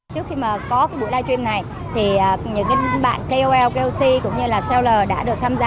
trước khi mà có cái buổi live stream này thì những bạn kol klc cũng như là seller đã được tham gia